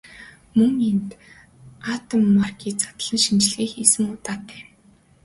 Мөн энд Антоммарки задлан шинжилгээ хийсэн удаатай.